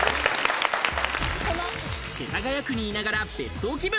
世田谷区にいながら別荘気分。